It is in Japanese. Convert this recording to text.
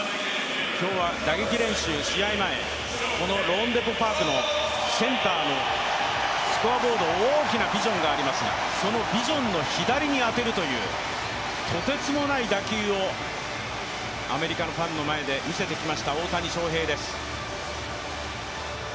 今日は打撃練習、試合前、このローンデポ・パークのセンターのスコアボード大きなビジョンがありますがそのビジョンの左に当てるというとてつもない打球をアメリカのファンの前で見せてきました大谷翔平です。